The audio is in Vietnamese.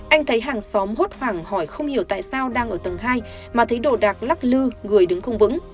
anh thấy hàng xóm hốt hoảng hỏi không hiểu tại sao đang ở tầng hai mà thấy đồ đạc lắc lư người đứng không vững